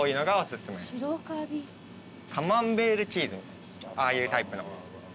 カマンベールチーズああいうタイプのもの。